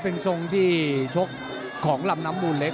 เป็นทรงที่ชกของลำน้ำมูลเล็ก